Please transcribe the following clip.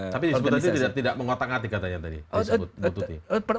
tapi disebut tadi tidak mengotak atik katanya tadi